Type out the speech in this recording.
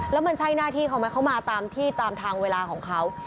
แล้วมันใช้หน้าที่ของมันเข้ามาตามทางเวลาของเขา